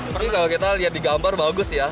tapi kalau kita lihat di gambar bagus ya